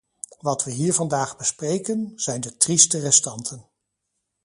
Wat we hier vandaag bespreken, zijn de trieste restanten.